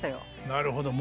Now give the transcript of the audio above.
なるほど。